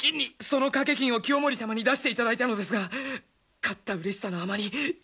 その賭け金を清盛様に出していただいたのですが勝ったうれしさのあまりついついご返却を。